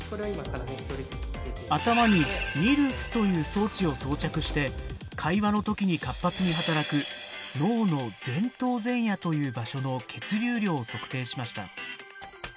頭にＮＩＲＳという装置を装着して会話の時に活発に働く脳の前頭前野という場所の血流量を測定しました。